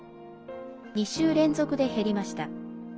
２週連続で減りました。